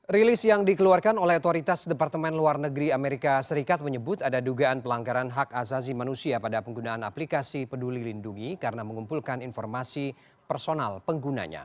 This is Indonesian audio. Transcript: rilis yang dikeluarkan oleh otoritas departemen luar negeri amerika serikat menyebut ada dugaan pelanggaran hak asasi manusia pada penggunaan aplikasi peduli lindungi karena mengumpulkan informasi personal penggunanya